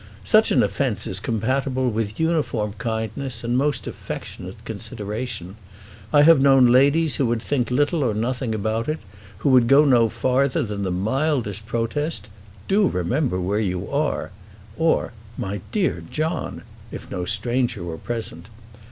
Such an offence is compatible with uniform kindness and most affectionate consideration. I have known ladies who would think little or nothing about it, who would go no farther than the mildest protest, "Do remember where you are!" or, "My dear John!" if no stranger were present.